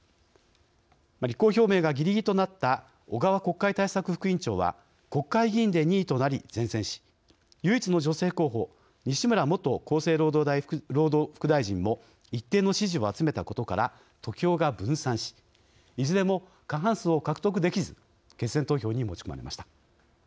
立候補表明が、ぎりぎりとなった小川国会対策副委員長は国会議員で２位となり善戦し唯一の女性候補西村元厚生労働副大臣も一定の支持を集めたことから得票が分散しいずれも過半数を獲得できず決選投票に持ち込まれました。